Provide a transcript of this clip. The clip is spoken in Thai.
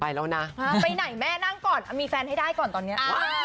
ไปไหนแม่นั่งก่อนมีแฟนให้ได้ก่อนตอนนี้